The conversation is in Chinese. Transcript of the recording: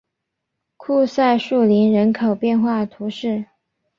库赛树林人口变化图示